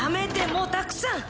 もうたくさん！